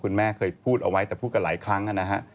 คุณแม่เคยพูดเอาไว้แต่พูดกันหลายครั้งนะฮะ